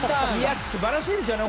素晴らしいですよね。